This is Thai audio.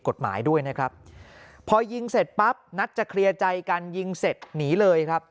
กฎหมายด้วยนะครับพอยิงเสร็จปั๊บนัดจะเคลียร์ใจกันยิงเสร็จหนีเลยครับ